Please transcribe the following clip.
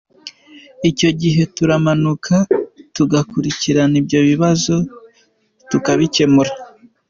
Icyo gihe turamanuka tugakurikirana ibyo bibazo tukabikemura.